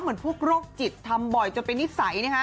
เหมือนพวกโรคจิตทำบ่อยจนเป็นนิสัยนะฮะ